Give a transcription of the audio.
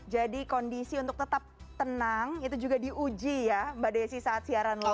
jadi kondisi untuk tetap tenang itu juga diuji ya mbak desy saat siaran live